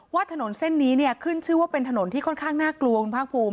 ว่าถนนเส้นนี้ขึ้นชื่อว่าเป็นถนนที่ค่อนข้างน่ากลวงภาคภูมิ